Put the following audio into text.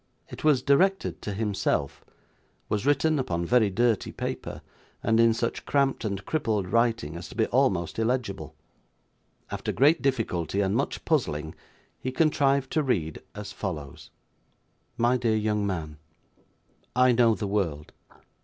It was directed to himself, was written upon very dirty paper, and in such cramped and crippled writing as to be almost illegible. After great difficulty and much puzzling, he contrived to read as follows: My dear young Man. I know the world.